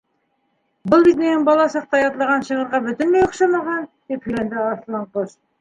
—Был бит мин бала саҡта ятлаған шиғырға бөтөнләй оҡшамаған, —тип һөйләнде Арыҫланҡош.